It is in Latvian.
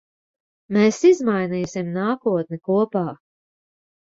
Mēs izmainīsim nākotni kopā.